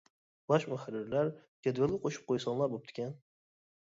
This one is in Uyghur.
باش مۇھەررىرلەر جەدۋەلگە قوشۇپ قويساڭلار بوپتىكەن.